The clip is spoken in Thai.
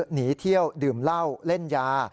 หนีเที่ยวดื่มเหล้าเล่นยา